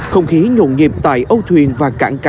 không khí nhộn nhịp tại âu thuyền và cảng cá